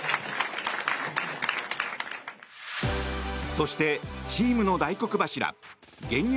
そして、チームの大黒柱現役